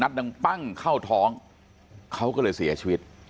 ดังปั้งเข้าท้องเขาก็เลยเสียชีวิต